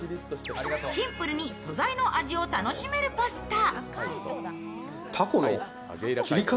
シンプルに素材の味を楽しめるパスタ。